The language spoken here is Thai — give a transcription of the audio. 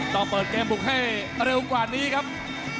ต้องเปิดเกมบุกให้เร็วกว่านี้ครับ